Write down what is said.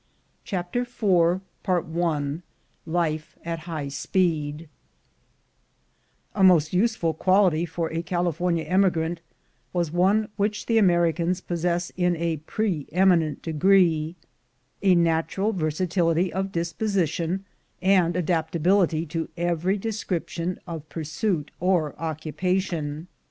CHAPTER IV LIFE AT HIGH SPEED A MOST useful quality for a California emigrant was one which the Americans possess in a pre eminent degree — a natural versatility of disposi tion and adaptability to every description of pursuit or occupation.